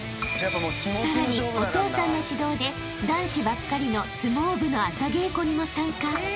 ［さらにお父さんの指導で男子ばっかりの相撲部の朝稽古にも参加］